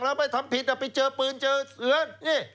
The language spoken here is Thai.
แล้วไม่ทำผิดไปเจอปืนเจอเสือน